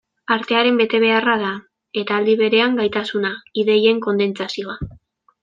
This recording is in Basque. Artearen betebeharra da, eta aldi berean gaitasuna, ideien kondentsazioa.